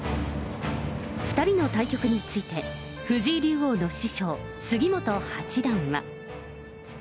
２人の対局について、藤井竜王の師匠、杉本八段は。